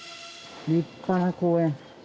立派な公園。